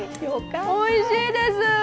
おいしいです！